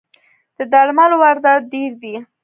د درملو واردات ډیر دي